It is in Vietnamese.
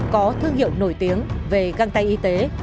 có thương hiệu nổi tiếng về găng tay y tế